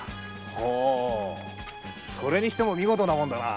ほぅそれにしても見事なもんだな。